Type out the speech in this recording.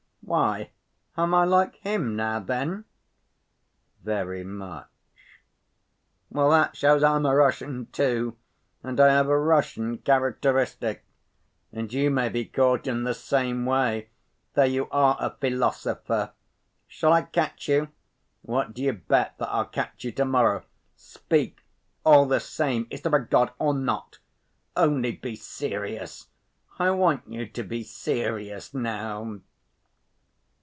"Why, am I like him now, then?" "Very much." "Well, that shows I'm a Russian, too, and I have a Russian characteristic. And you may be caught in the same way, though you are a philosopher. Shall I catch you? What do you bet that I'll catch you to‐morrow. Speak, all the same, is there a God, or not? Only, be serious. I want you to be serious now."